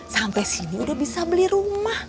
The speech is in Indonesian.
sampai sini udah bisa beli rumah